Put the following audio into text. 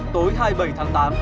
tối hai mươi bảy tháng tám